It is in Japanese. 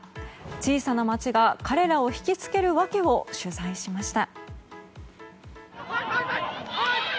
小さな町が彼らを引き付ける訳を取材しました。